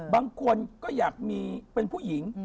บางคนก็อยากมีเป็นผู้หญิง